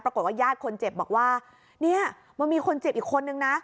ญาติคนเจ็บบอกว่าเนี่ยมันมีคนเจ็บอีกคนนึงนะ